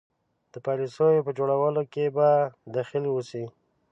د پالیسیو په جوړولو کې به دخیل اوسي.